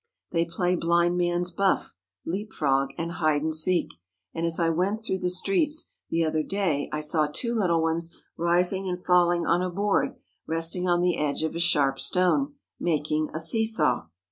They play blind man's buff, leap frog, and hide and seek, and as I went through the streets the other day I saw two little ones rising and falling on a board resting on the edge of a sharp stone, making a seesaw.